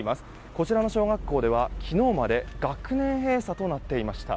こちらの小学校では昨日まで学年閉鎖となっていました。